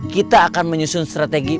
kita akan menyusun strategi